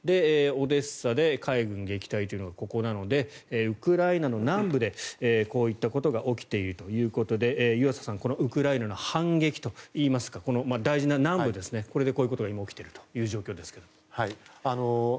オデッサで海軍撃退というのがここなのでウクライナの南部でこういったことが起きているということで湯浅さん、このウクライナの反撃といいますか大事な南部ですねこういうことが起きているという状況ですけれど。